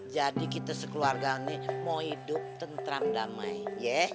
jadi kita sekeluarga ini mau hidup tentram damai ya